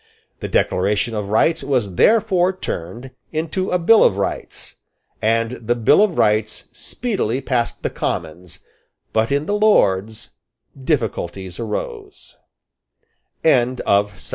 The Declaration of Rights was therefore turned into a Bill of Rights; and the Bill of Rights speedily passed the Commons; but in the Lords difficulties arose.